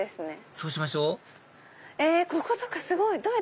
そうしましょうこことかすごい！